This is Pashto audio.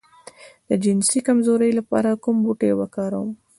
د جنسي کمزوری لپاره کوم بوټی وکاروم؟